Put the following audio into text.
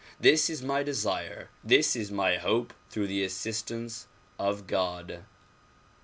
This is my desire; this is my hope through the assistance of God.